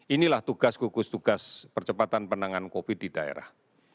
inilah tugas tugas percepatan penanganan covid sembilan belas di daerah